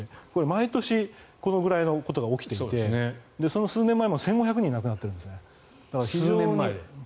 毎年このくらいのことが起きていてその数年前も１５００人亡くなっているんですね。